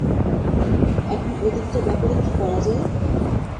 এখন ঐদিকটার ব্যাপারে কী করা যায়?